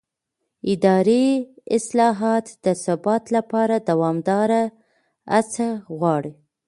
اداري اصلاحات د ثبات لپاره دوامداره هڅه غواړي